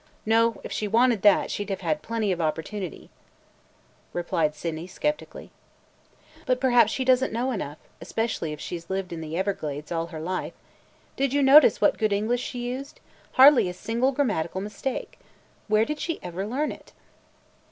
No, if she wanted that, she 'd have plenty of opportunity," replied Sydney skeptically. "But perhaps she does n't know enough, especially if she 's lived in the Everglades all her life. Did you notice what good English she used? Hardly a single grammatical mistake. Where did she ever learn it?"